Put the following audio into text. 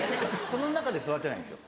その中で育てないんですよ